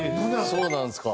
そうなんですか？